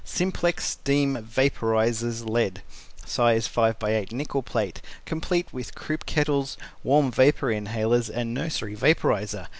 SIMPLEX STEAM VAPORIZERS LEAD Size 5x8 Nickel Plate Complete Croup Kettles, Warm Vapor Inhalers and Nursery Vaporizer.